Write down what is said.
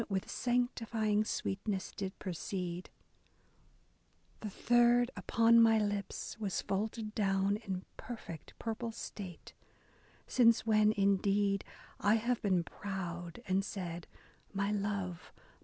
With sanctifying sweetness, did precede. The third upon my lips was folded down In perfect, purple state ; since when, indeed, I have been proud and said, ' My love, my own!